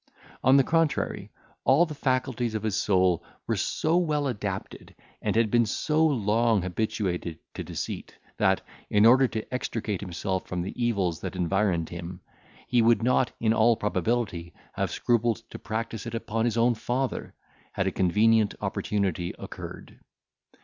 On the contrary, all the faculties of his soul were so well adapted, and had been so long habituated to deceit, that, in order to extricate himself from the evils that environed him, he would not, in all probability, have scrupled to practise it upon his own father, had a convenient opportunity occurred.